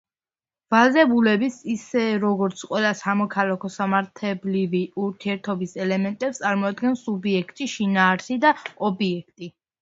ვალდებულების, ისე როგორც ყველა სამოქალაქო-სამართლებრივი ურთიერთობის, ელემენტებს წარმოადგენს სუბიექტი, შინაარსი და ობიექტი.